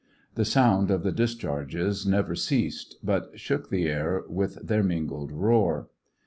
The sound of the dis charges never ceased, but shook the air with their mingled roar.